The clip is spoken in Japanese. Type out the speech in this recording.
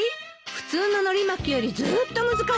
普通ののり巻きよりずっと難しいわよ。